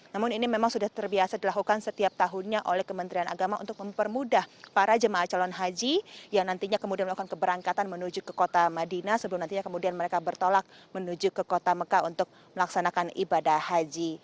namun ini memang sudah terbiasa dilakukan setiap tahunnya oleh kementerian agama untuk mempermudah para jemaah calon haji yang nantinya kemudian melakukan keberangkatan menuju ke kota madinah sebelum nantinya kemudian mereka bertolak menuju ke kota mekah untuk melaksanakan ibadah haji